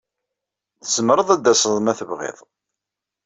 Tzemreḍ ad d-taseḍ ma tebɣiḍ.